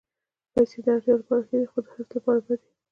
پېسې د اړتیا لپاره ښې دي، خو د حرص لپاره بدې.